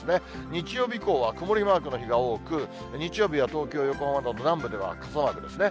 日曜日以降は曇りマークの日が多く、日曜日は東京、横浜など、南部では傘マークですね。